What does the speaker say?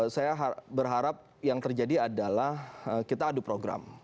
saya berharap yang terjadi adalah kita adu program